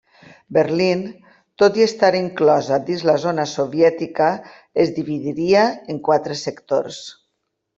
Berlín, tot i estar inclosa dins la zona soviètica, es dividiria en quatre sectors.